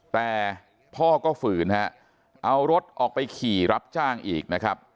แต่พ่อก็ฝืนฮะเอารถออกไปขี่รับจ้างอีกนะครับ